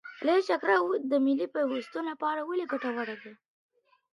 لویه جرګه د ملي پیوستون له پاره ولي ګټوره ده؟